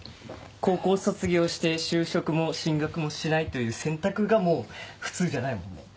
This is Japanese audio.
高校卒業して就職も進学もしないという選択がもう普通じゃないもんね。